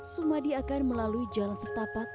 sumadi akan melalui jalan setapak